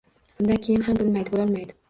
Bundan keyin ham boʻlmaydi, boʻlolmaydi.